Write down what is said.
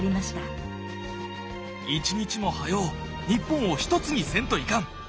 一日も早お日本を一つにせんといかん！